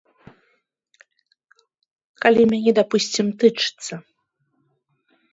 Калі мяне, дапусцім, тычыцца.